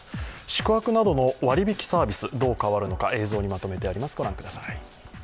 宿泊などの割引サービス、どう変わるのか映像にまとめてあります。